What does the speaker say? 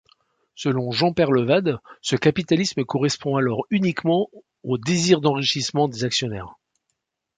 Selon Jean Peyrelevade, ce capitalisme correspond alors uniquement au désir d’enrichissement des actionnaires.